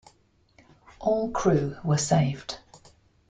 All crew were saved.